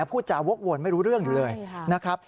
พูดจาวกวนไม่รู้เรื่องอยู่เลยนะครับ